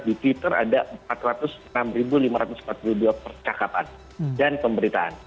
di twitter ada empat ratus enam lima ratus empat puluh dua percakapan dan pemberitaan